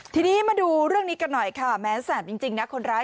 ทีนี้มาดูเรื่องนี้กันหน่อยค่ะแม้แสบจริงนะคนร้าย